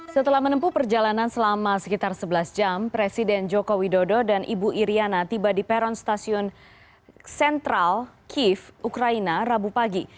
setelah menempuh perjalanan selama sekitar sebelas jam presiden joko widodo dan ibu iryana tiba di peron stasiun sentral kiev ukraina rabu pagi